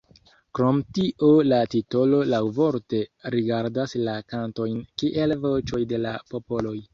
Krom tio la titolo laŭvorte rigardas la kantojn kiel voĉoj de la popoloj.